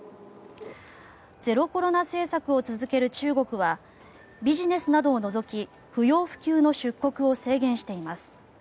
ゼロコロナ政策を続ける中国はビジネスなどを除き不要不急の出国を制限しています。